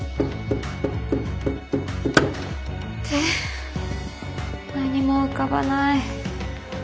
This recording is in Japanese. って何も浮かばない。